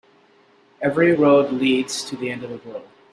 Every road leads to the end of the world.